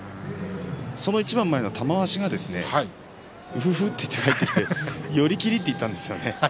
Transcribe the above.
その一番前の、玉鷲はうふふ、と言って帰ってきて寄り切りと言ったんですよね。